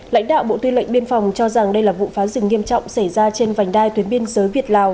lãnh đạo bộ tuyên lệnh biên phòng cho rằng đây là vụ phá rừng nghiêm trọng xảy ra trên vành đai tuyến biên giới việt lào